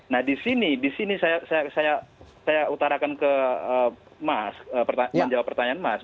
nah di sini di sini saya utarakan ke mas menjawab pertanyaan mas